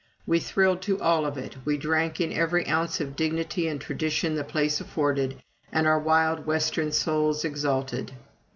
We thrilled to all of it we drank in every ounce of dignity and tradition the place afforded, and our wild Western souls exulted.